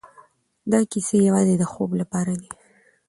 دا کيسې يوازې د خوب لپاره دي.